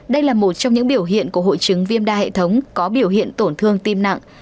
đây là một trong những biểu hiện của hội chứng viêm đa hệ thống có biểu hiện tổn thương tim nặng